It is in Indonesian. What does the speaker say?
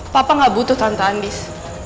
papa ga butuh tante andis